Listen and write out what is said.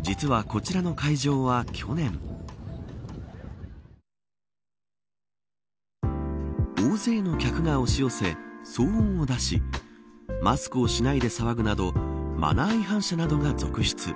実は、こちらの会場は去年大勢の客が押し寄せ騒音を出しマスクをしないで騒ぐなどマナー違反者などが続出。